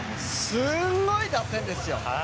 すごい打線ですよ！